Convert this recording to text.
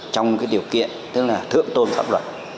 trong cái điều kiện tức là thượng tôn pháp luật